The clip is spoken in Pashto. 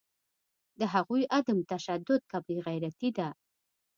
د هغوی عدم تشدد که بیغیرتي ده